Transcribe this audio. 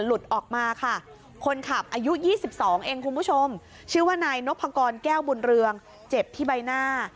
หลุดออกมาค่ะคนขับอายุ๒๒เองคุณผู้ชมชื่อว่านายนพกรแก้วบุญเรืองเจ็บที่ใบหน้า